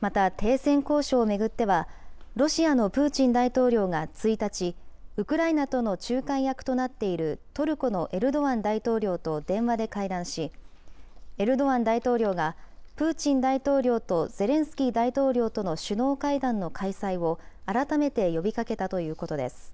また、停戦交渉を巡っては、ロシアのプーチン大統領が１日、ウクライナとの仲介役となっているトルコのエルドアン大統領と電話で会談し、エルドアン大統領がプーチン大統領とゼレンスキー大統領との首脳会談の開催を改めて呼びかけたということです。